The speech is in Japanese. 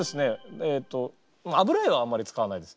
えっと油絵はあんまり使わないです。